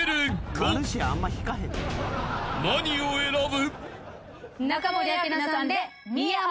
［何を選ぶ？］